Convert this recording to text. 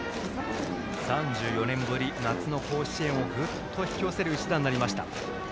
３４年ぶり、夏の甲子園をグッと引き寄せる一打になりました。